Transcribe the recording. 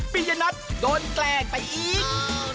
ปียนัทโดนแกล้งไปอีก